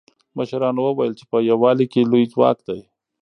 مشرانو وویل چې په یووالي کې لوی ځواک دی.